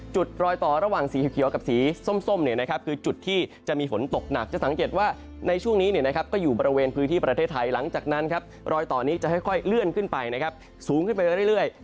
รอยต่อระหว่างสีเขียวกับสีส้มคือจุดที่จะมีฝนตกหนักจะสังเกตว่าในช่วงนี้ก็อยู่บริเวณพื้นที่ประเทศไทยหลังจากนั้นครับรอยต่อนี้จะค่อยเลื่อนขึ้นไปนะครับสูงขึ้นไปเรื่อย